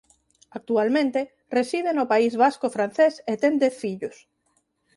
Actualmente reside no País Vasco francés e ten dez fillos.